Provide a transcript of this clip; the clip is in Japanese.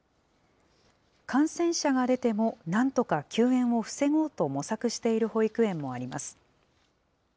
感染者が出てもなんとか休園を防ごうと模索している保育園もあります。